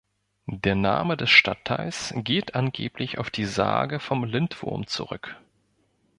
Der Name des Stadtteils geht angeblich auf die Sage vom Lindwurm zurück.